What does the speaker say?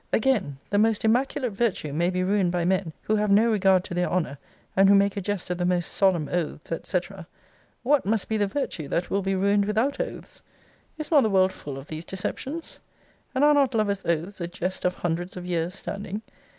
Again; the most immaculate virtue may be ruined by men who have no regard to their honour, and who make a jest of the most solemn oaths, &c. What must be the virtue that will be ruined without oaths? Is not the world full of these deceptions? And are not lovers' oaths a jest of hundreds of years' standing?